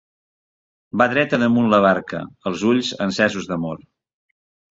Va dreta damunt la barca, els ulls encesos d’amor.